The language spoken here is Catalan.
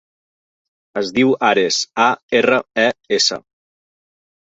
Es diu Ares: a, erra, e, essa.